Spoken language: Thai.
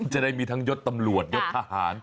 จะได้มีทั้งยศตำรวจยศทหาร